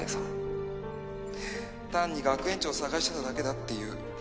単に学園長捜してただけだっていう。